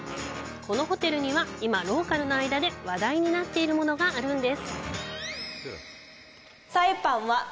このホテルには今、ローカルの間で話題になっているものがあるんです！